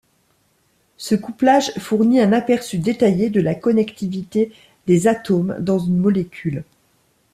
Ce couplage fournit un aperçu détaillé de la connectivité des atomes dans une molécule.